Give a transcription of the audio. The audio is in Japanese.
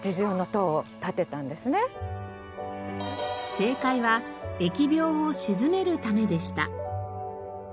正解は「疫病を鎮めるため」でした。